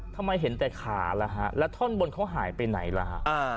ทำไมเห็นแต่ขาล่ะฮะแล้วท่อนบนเขาหายไปไหนล่ะฮะ